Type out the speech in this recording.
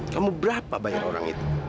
kamu berapa banyak orang itu